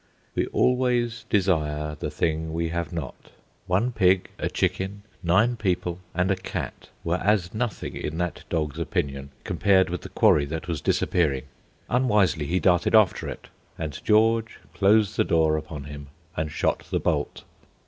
We always desire the thing we have not. One pig, a chicken, nine people, and a cat, were as nothing in that dog's opinion compared with the quarry that was disappearing. Unwisely, he darted after it, and George closed the door upon him and shot the bolt.